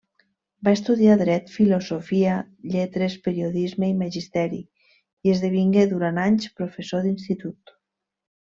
Va estudiar Dret, Filosofia, lletres, Periodisme i Magisteri–, i esdevingué durant anys professor d'institut.